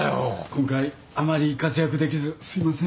今回あまり活躍できずすいません。